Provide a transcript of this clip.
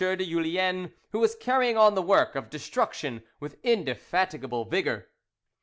de Julien, who was carrying on the work of destruction with indefatigable vigour.